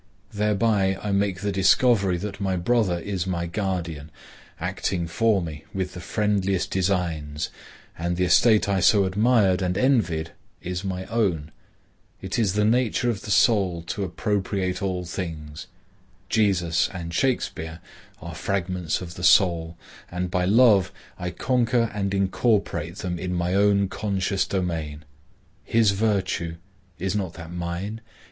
Thereby I make the discovery that my brother is my guardian, acting for me with the friendliest designs, and the estate I so admired and envied is my own. It is the nature of the soul to appropriate all things. Jesus and Shakspeare are fragments of the soul, and by love I conquer and incorporate them in my own conscious domain. His virtue,—is not that mine?